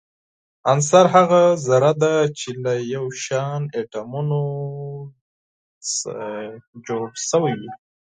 عنصر هغه ذره ده چي له يو شان اتومونو څخه جوړ سوی وي.